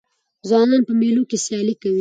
ځوانان په مېلو کښي سیالۍ کوي.